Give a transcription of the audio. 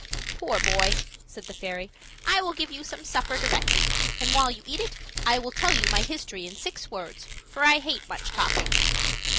"Poor boy," said the fairy, "I will give you some supper directly; and while you eat it I will tell you my history in six words, for I hate much talking.